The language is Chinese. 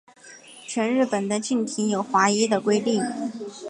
全日本的竞艇有划一的规定。